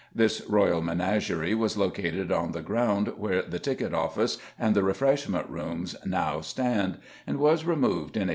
This royal menagerie was located on the ground where the ticket office and refreshment rooms now stand, and was removed in 1834.